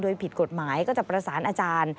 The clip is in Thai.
โดยผิดกฎหมายก็จะประสานอาจารย์